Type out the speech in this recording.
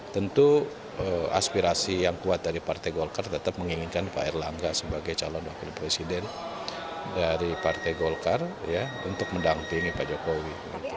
tentu aspirasi yang kuat dari partai golkar tetap menginginkan pak erlangga sebagai calon wakil presiden dari partai golkar untuk mendampingi pak jokowi